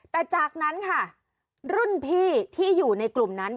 แต่จากนั้นค่ะรุ่นพี่ที่อยู่ในกลุ่มนั้น